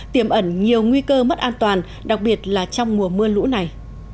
tiềm ẩn nhiều nguy cơ mất an toàn đặc biệt là trong mùa mưa lũ này